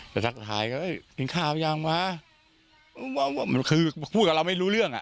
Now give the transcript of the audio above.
ทักทายก็กินข้าวยังวะมันคือพูดกับเราไม่รู้เรื่องอ่ะ